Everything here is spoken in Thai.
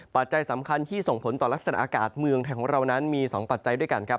ปัจจัยสำคัญที่ส่งผลต่อลักษณะอากาศเมืองไทยของเรานั้นมี๒ปัจจัยด้วยกันครับ